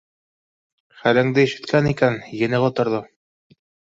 Хәлеңде ишеткән икән, ене ҡоторҙо